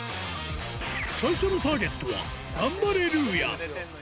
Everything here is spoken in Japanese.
最初のターゲットはガンバレルーヤ。